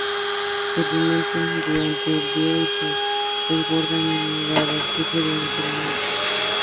Se alimentan durante el día y se resguardan en el arrecife durante la noche.